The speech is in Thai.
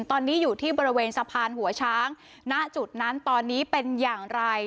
ตอนนี้อยู่ที่บริเวณสะพานหัวช้างณจุดนั้นตอนนี้เป็นอย่างไร